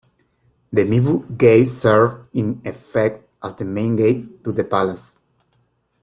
The Mibu Gate served in effect as the main gate to the palace.